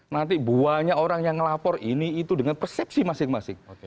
nanti buahnya orang yang ngelapor ini itu dengan persepsi masing masing